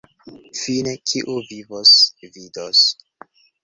Fine, kiu vivos, vidos.